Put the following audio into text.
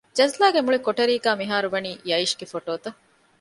ޖަޒްލާގެ މުޅި ކޮޓަރީގައި މިހާރުވަނީ ޔައީޝްގެ ފޮޓޯތައް